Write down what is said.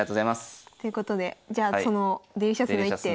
ということでじゃあそのデリシャスな一手。